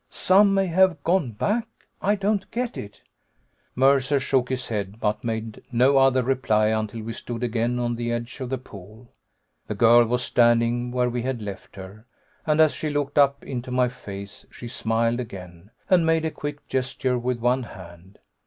'Some may have gone back?' I don't get it." Mercer shook his head, but made no other reply until we stood again on the edge of the pool. The girl was standing where we had left her, and as she looked up into my face, she smiled again, and made a quick gesture with one hand.